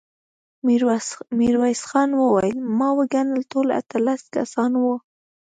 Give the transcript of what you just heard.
ميرويس خان وويل: ما وګڼل، ټول اتلس کسان وو.